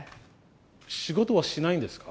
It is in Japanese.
仕事はしないんですか？